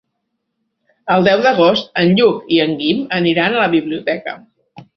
El deu d'agost en Lluc i en Guim aniran a la biblioteca.